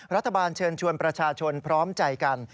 รัฐบาลเชิญชวนประชาชนพร้อมใจกัน